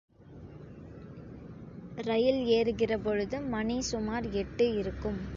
ரயில் ஏறுகிறபொழுது மணி சுமார் எட்டு இருக்கும்.